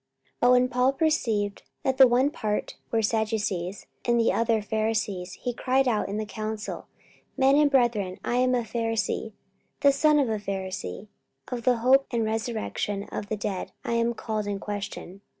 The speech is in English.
44:023:006 But when Paul perceived that the one part were Sadducees, and the other Pharisees, he cried out in the council, Men and brethren, I am a Pharisee, the son of a Pharisee: of the hope and resurrection of the dead I am called in question.